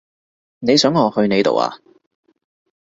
你想我去你度呀？